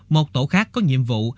một tổ khác có nhiệm vụ